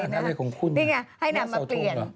คุณอ่านอะไรของคุณหน้าเสาทงเหรอนี่ไงให้นำมาเปลี่ยน